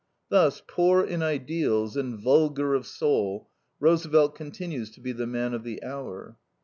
Thus, poor in ideals and vulgar of soul, Roosevelt continues to be the man of the hour.